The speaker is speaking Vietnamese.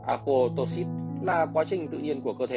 aquotoxic là quá trình tự nhiên của cơ thể